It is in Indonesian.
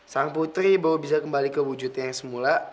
sang putri baru bisa kembali kewujudannya semula